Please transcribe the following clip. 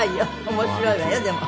面白いわよでも。